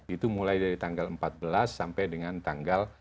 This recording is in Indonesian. itu mulai dari tanggal empat belas sampai dengan tanggal